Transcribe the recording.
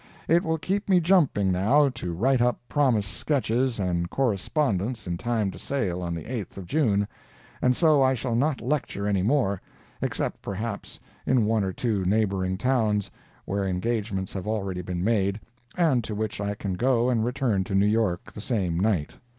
It will keep me jumping, now, to write up promised sketches and correspondence in time to sail on the 8th of June, and so I shall not lecture anymore, except perhaps in one or two neighboring towns where engagements have already been made, and to which I can go and return to New York the same night.